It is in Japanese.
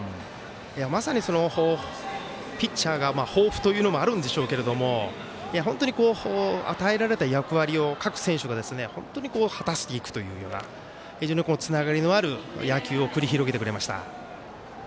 まさに、ピッチャーが抱負というのもあるんでしょうけれども本当に与えられた役割を各選手が本当に果たしていくというつながりのある野球を繰り広げてくれました。